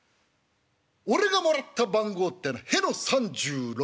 俺がもらった番号ってのはへの３６番。